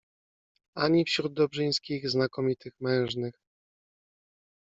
Ani wśród Dobrzyńskich, znakomitych mężnych